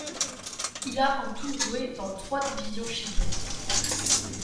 Il a en tout joué dans trois divisions chiliennes.